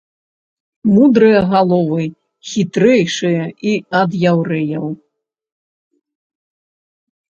Мудрыя галовы, хітрэйшыя і ад яўрэяў.